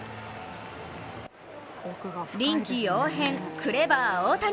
臨機応変、クレバー大谷。